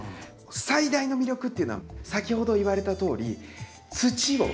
最大の魅力っていうのは先ほど言われたとおり土を使わない。